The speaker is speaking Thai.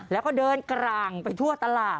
เราก็เดินกร่างไปทั่วตลาด